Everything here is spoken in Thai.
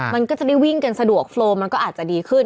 มันก็จะได้วิ่งกันสะดวกโฟมมันก็อาจจะดีขึ้น